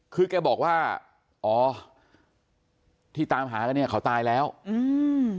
คือแกบอกว่าอ๋อที่ตามหากันเนี้ยเขาตายแล้วอืม